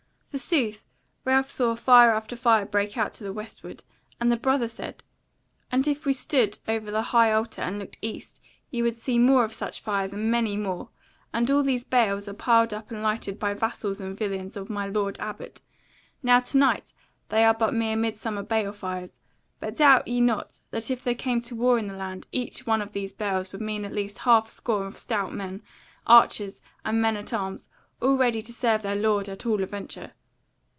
Forsooth Ralph saw fire after fire break out to the westward; and the brother said: "And if we stood over the high altar and looked east, ye would see more of such fires and many more; and all these bales are piled up and lighted by vassals and villeins of my lord Abbot: now to night they are but mere Midsummer bale fires; but doubt ye not that if there came war into the land each one of these bales would mean at least a half score of stout men, archers and men at arms, all ready to serve their lord at all adventure.